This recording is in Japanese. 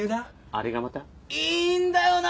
あれがまたいいんだよな！